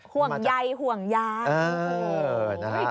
ห่วงใยห่วงยาย